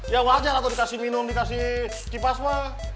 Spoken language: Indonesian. ya wajar atau dikasih minum dikasih kipas mah